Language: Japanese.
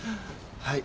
はい。